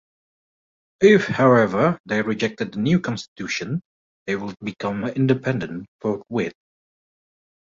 If, however, they rejected the new constitution, they would become independent forthwith.